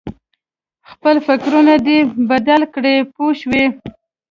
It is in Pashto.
خپل فکرونه دې بدل کړه پوه شوې!.